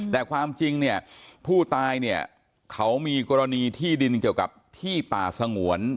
แต่ความจริงเนี่ยผู้ตายเนี่ยเขามีกรณีที่ดินเกี่ยวกับที่ป่าสงวน